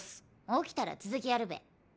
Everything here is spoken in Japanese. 起きたら続きやるべ。